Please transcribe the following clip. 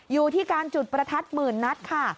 อยู่ที่การจุดประทัดหมื่นนัดค่ะ